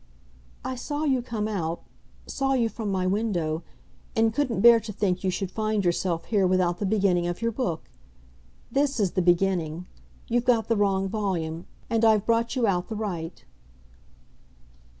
"I saw you come out saw you from my window, and couldn't bear to think you should find yourself here without the beginning of your book. THIS is the beginning; you've got the wrong volume, and I've brought you out the right."